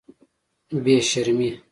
بې شرمې.